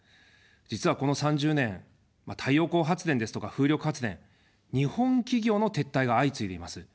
実はこの３０年、太陽光発電ですとか、風力発電、日本企業の撤退が相次いでいます。